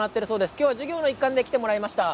今日は授業の一環で来てもらいました。